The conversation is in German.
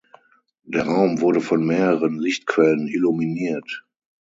Der Raum wurde von mehreren Lichtquellen illuminiert.